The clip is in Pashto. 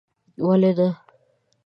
ولي نه